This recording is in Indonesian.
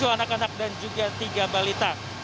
tujuh anak anak dan juga tiga balita